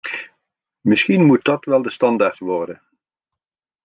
Misschien moet dat wel de standaard worden.